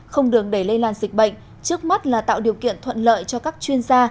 không đường đẩy lây lan dịch bệnh trước mắt là tạo điều kiện thuận lợi cho các chuyên gia